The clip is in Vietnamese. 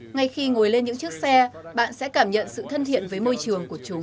ngay khi ngồi lên những chiếc xe bạn sẽ cảm nhận sự thân thiện với môi trường của chúng